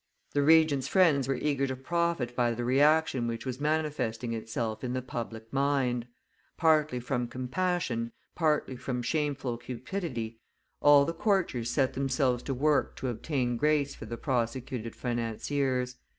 The Regent's friends were eager to profit by the reaction which was manifesting itself in the public mind; partly from compassion, partly from shameful cupidity, all the courtiers set themselves to work to obtain grace for the prosecuted financiers.